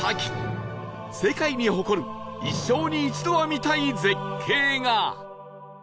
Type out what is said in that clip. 世界に誇る一生に一度は見たい絶景が